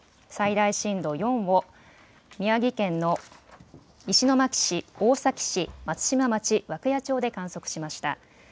最大震度４を宮城県の石巻市、大崎市、松島町、涌谷町で観測しました。